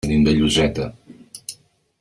Venim de Lloseta.